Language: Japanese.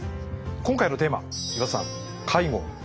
今回のテーマ岩田さん「介護」ですか。